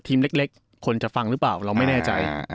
เล็กคนจะฟังหรือเปล่าเราไม่แน่ใจ